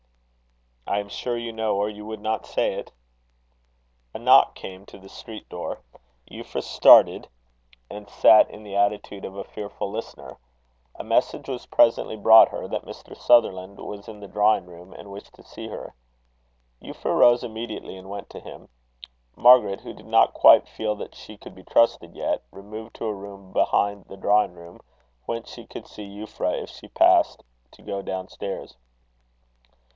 "I am sure you know, or you would not say it." A knock came to the street door. Euphra started, and sat in the attitude of a fearful listener. A message was presently brought her, that Mr. Sutherland was in the drawing room, and wished to see her. Euphra rose immediately, and went to him. Margaret, who did not quite feel that she could be trusted yet, removed to a room behind the drawing room, whence she could see Euphra if she passed to go down stairs.